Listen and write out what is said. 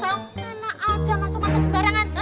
mana aja masuk masuk segarangan